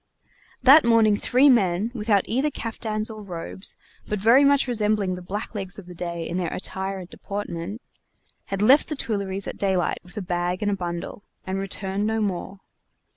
That morning three men, without either caftans or robes, but very much resembling the blacklegs of the day in their attire and deportment, had left the Tuileries at daylight with a bag and a bundle, and returned no more.